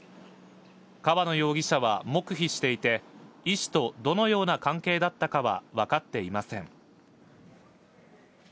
川野容疑者は黙秘していて、医師とどのような関係だったかは分かっていません。